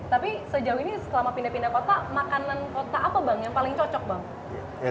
tapi sejauh ini selama pindah pindah kota makanan kota apa bang yang paling cocok bang